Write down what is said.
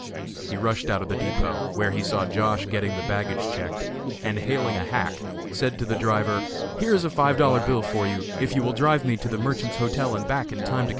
He rushed out of the depot, where he saw Josh. getting the baggage checked, and hailing a hack, said to the driver: "Here is a five dollar bill for you if you will drive me to the Merchants' Hotel and back in time to catch the train."